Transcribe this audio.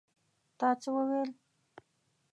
تا څه وویل?